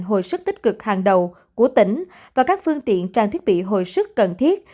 hồi sức tích cực hàng đầu của tỉnh và các phương tiện trang thiết bị hồi sức cần thiết